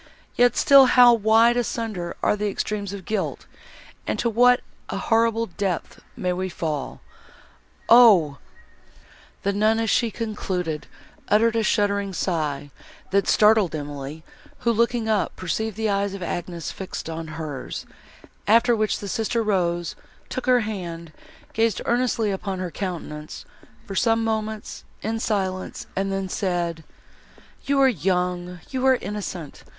Yet still how wide asunder are the extremes of guilt, and to what a horrible depth may we fall! Oh!—" The nun, as she concluded, uttered a shuddering sigh, that startled Emily, who, looking up, perceived the eyes of Agnes fixed on hers, after which the sister rose, took her hand, gazed earnestly upon her countenance, for some moments, in silence, and then said, "You are young—you are innocent!